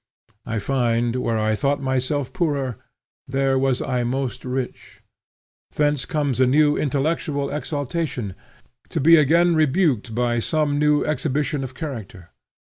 I find, where I thought myself poor, there was I most rich. Thence comes a new intellectual exaltation, to be again rebuked by some new exhibition of character.